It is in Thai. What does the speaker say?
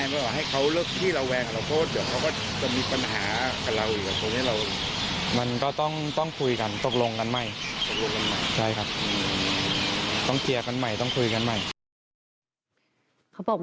จะทำยังไงบ้างว่าให้เขาเลือกที่ระแวงกับเราโทษ